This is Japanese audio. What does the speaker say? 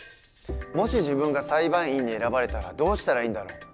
もし自分が裁判員に選ばれたらどうしたらいいんだろう？